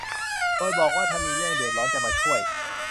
โดยบอกว่าถ้ามีเรื่องเดือดร้อนจะมาช่วย